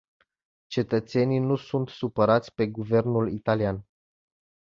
Cetățenii nu sunt supărați pe guvernul italian.